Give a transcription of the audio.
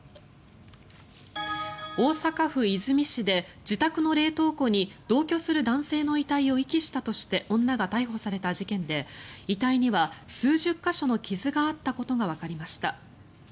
大阪府和泉市で自宅の冷凍庫に同居する男性の遺体を遺棄したとして女が逮捕された事件で遺体には数十か所の傷があったことがわかりました。